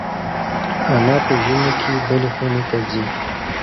انا په ژمي کې بلې خونې ته ځي.